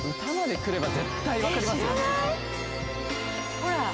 ほら・